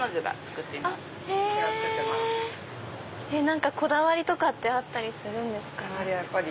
何かこだわりとかってあったりするんですか？